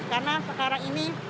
karena sekarang ini